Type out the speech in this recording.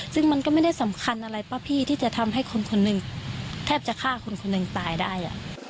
ซึ่งมันก็ไม่ได้สำคัญอะไรป่ะพี่ที่จะทำให้คนคนหนึ่งแทบจะฆ่าคนคนหนึ่งตายได้